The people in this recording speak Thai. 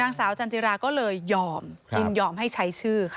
นางสาวจันจิราก็เลยยอมยินยอมให้ใช้ชื่อค่ะ